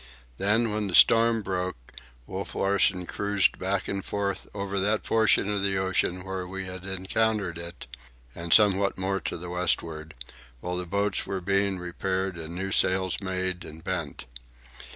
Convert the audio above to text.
Then, when the storm broke, Wolf Larsen cruised back and forth over that portion of the ocean where we had encountered it, and somewhat more to the westward, while the boats were being repaired and new sails made and bent.